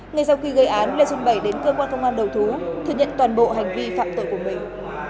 ngay sau khi gây án lê xuân bảy đến cơ quan công an đầu thú thừa nhận toàn bộ hành vi phạm tội của mình